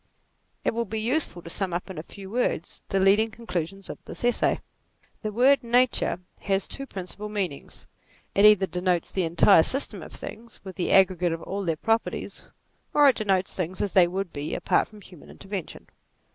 It will be useful to sum up in a few words the leading conclusions of this Essay. The word Nature has two principal meanings: it either denotes the entire system of things, with the aggregate of all their properties, or it denotes things as they would be, apart from human intervention.